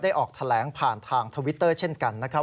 ออกแถลงผ่านทางทวิตเตอร์เช่นกันนะครับ